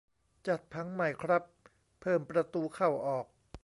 จัดผังใหม่ครับ เพิ่มประตูเข้าออก